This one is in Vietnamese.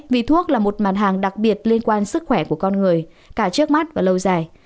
vì thuốc là một mặt hàng đặc biệt liên quan sức khỏe của con người cả trước mắt và lâu dài